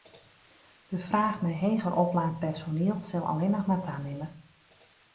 De fraach nei heger oplaat personiel sil allinnich mar tanimme.